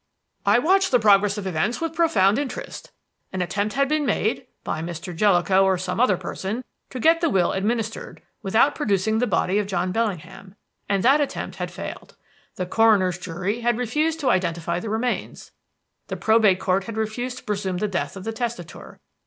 "I watched the progress of events with profound interest. An attempt had been made (by Mr. Jellicoe or some other person) to get the will administered without producing the body of John Bellingham; and that attempt had failed. The coroner's jury had refused to identify the remains; the Probate Court had refused to presume the death of the testator.